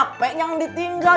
hp yang ditinggal